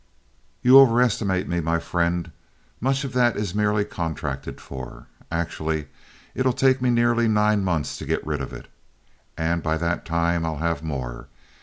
"You overestimate me, my friend. Much of that is merely contracted for. Actually it'll take me nearly nine months to get rid of it. And by that time I'll have more.